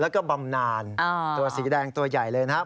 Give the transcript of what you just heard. แล้วก็บำนานตัวสีแดงตัวใหญ่เลยนะครับ